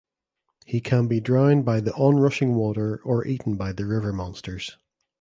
He can be drowned by the onrushing water or eaten by the river monsters.